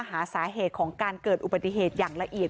หาสาเหตุของการเกิดอุบัติเหตุอย่างละเอียด